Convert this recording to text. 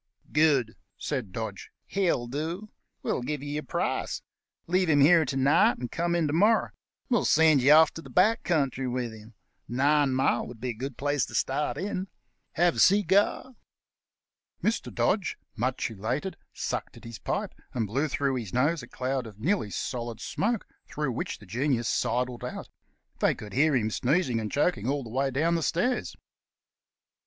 "Good!" said Dodge; "he'll do. We'll give you your price. Leave him here to night, and come in to morrow. We'll send you off to the back country with him. Nine mile would be a good place to start in. Have a cigar?" Mr. Dodge, much elated, sucked at his pipe, and blew through his nose a cloud of nearly solid smoke, through which the Genius sidled out. They could hear him sneezing and choking all the way down the stairs.